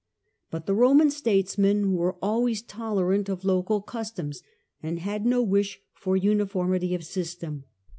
But the Roman statesmen were always tolerant of local customs, and had no wish for uniformity of system.